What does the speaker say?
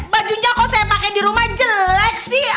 bajunya kok saya pakai di rumah jelek sih